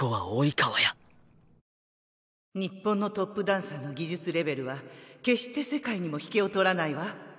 日本のトップダンサーの技術レベルは決して世界にも引けを取らないわ。